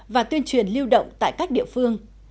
và tuyên truyền lưu động tại các địa phương